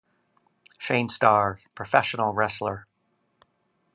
Shane Starr, professional wrestler.